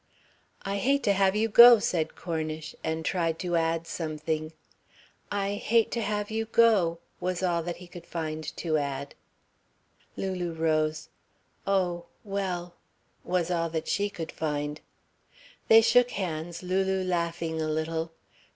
"I hate to have you go," said Cornish, and tried to add something. "I hate to have you go," was all that he could find to add. Lulu rose. "Oh, well," was all that she could find. They shook hands, Lulu laughing a little.